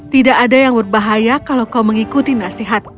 tidak ada yang berbahaya kalau kau mengikuti nasihat